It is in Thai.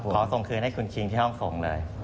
ขอส่งคืนให้คุณคิงที่ห้องส่งเลย